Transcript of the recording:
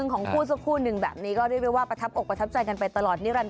น้องบอกไม่ได้ยินไม่ได้ยิน